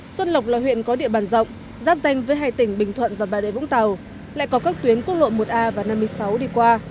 xuân lộc là huyện có địa bàn rộng giáp danh với hai tỉnh bình thuận và bà rịa vũng tàu lại có các tuyến quốc lộ một a và năm mươi sáu đi qua